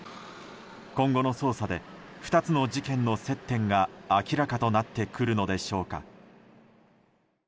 今後の捜査で２つの事件の接点が明らかとなってくるのでしょうか。